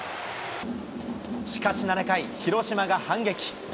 しかし７回、広島が反撃。